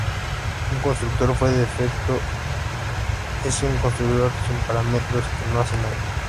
Un constructor por defecto es un constructor sin parámetros que no hace nada.